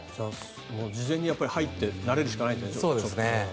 事前に入って慣れるしかないんですね。